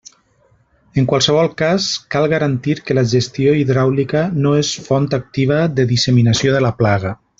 En qualsevol cas, cal garantir que la gestió hidràulica no és font activa de disseminació de la plaga.